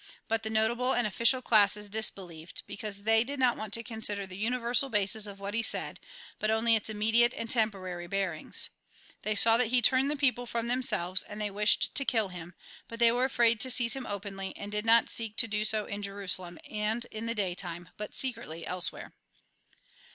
But the notable and official classes disbe lieved ; because they did not want to consider the universal basis of what he said, but only its imme diate and temporary bearings. They saw that he turned the people from themselves, and they wished to kill him ; but they were afraid to seize him openly, and did not seek to do so in Jerusalem and in the daytime, but secretly elsewhere."